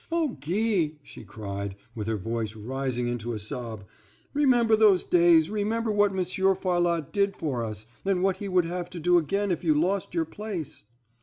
O Guy," she cried, with her voice rising into a sob, "remember those days, remember what Monsieur Farlotte did for us, and what he would have to do again if you lost your place!"